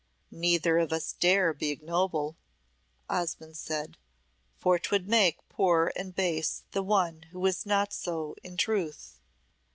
"Neither of us dare be ignoble," Osmonde said, "for 'twould make poor and base the one who was not so in truth."